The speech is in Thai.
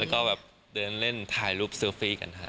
แล้วก็เดินเล่นถ่ายรูปเซอร์ฟี่กันค่ะ